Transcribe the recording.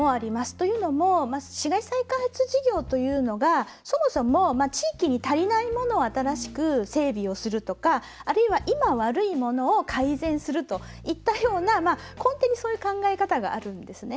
というのも市街地再開発事業というのがそもそも、地域に足りないものを新しく整備をするとかあるいは今、悪いものを改善するといったような根底にそういう考え方があるんですね。